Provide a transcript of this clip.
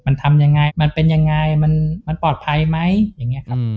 มันทำยังไงมันเป็นยังไงมันปลอดภัยไหมอย่างนี้ครับ